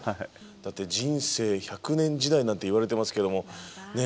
だって人生１００年時代なんていわれてますけども。